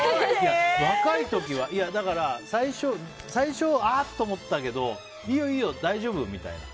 若い時は最初あっ！と思ったけどいいよ、いいよ、大丈夫みたいな。